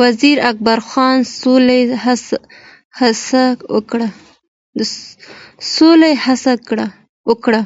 وزیر اکبرخان سولې هڅه وکړه